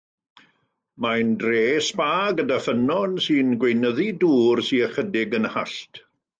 Mae'n dref sba, gyda ffynnon sy'n gweinyddu dŵr sydd ychydig yn hallt.